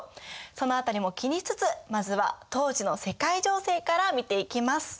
その辺りも気にしつつまずは当時の世界情勢から見ていきます。